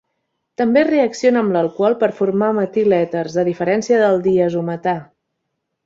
També reacciona amb l'alcohol per formar metil èters, a diferència del diazometà.